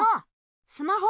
スマホ！